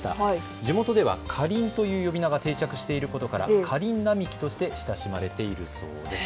地元では、かりんという呼び名が定着していることからかりん並木として親しまれているそうです。